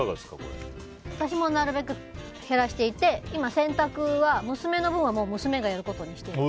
私もなるべく減らしていて今、洗濯は娘の分は娘がやることにしてる。